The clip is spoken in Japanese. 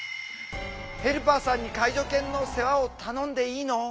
ヘルパーさんに介助犬の世話を頼んでいいの？